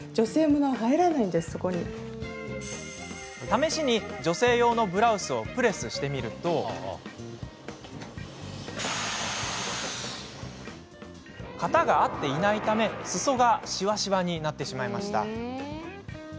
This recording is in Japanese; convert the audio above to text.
試しに、女性用のブラウスをプレスしてみると型が合っていないため、すそがしわしわになってしまいました。